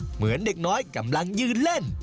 เหมือนเด็กน้อยกำลังยืนเล่น